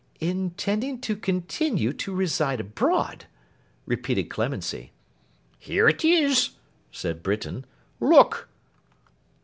'Intending to continue to reside abroad!' repeated Clemency. 'Here it is,' said Britain. 'Look!